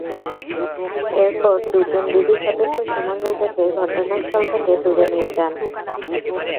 এরপর দুজন ডিবি সদস্য সুমন রেজাকে ঘটনাস্থল থেকে দূরে নিয়ে যান।